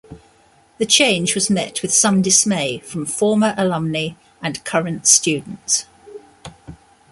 The change was met with some dismay from former alumnae and current students.